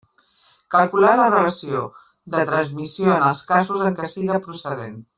Calcular la relació de transmissió en els casos en què siga procedent.